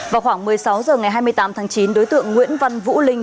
vào khoảng một mươi sáu h ngày hai mươi tám tháng chín đối tượng nguyễn văn vũ linh